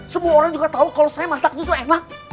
semua orang juga tahu kalau saya masak juga enak